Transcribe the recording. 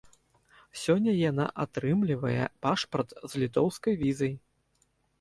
Сёння яна атрымлівае пашпарт з літоўскай візай.